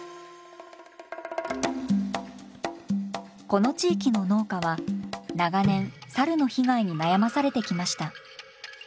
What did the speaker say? この地域の農家は長年サルの被害に悩まされてきました。